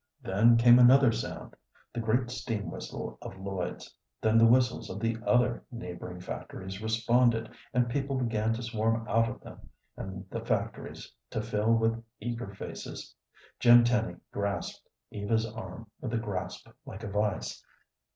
Then came another sound, the great steam whistle of Lloyd's; then the whistles of the other neighboring factories responded, and people began to swarm out of them, and the windows to fill with eager faces. Jim Tenny grasped Eva's arm with a grasp like a vise.